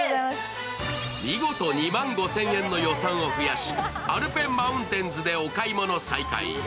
見事、２万５０００円の予算を増やしアルペンマウンテンズでお買い物再開。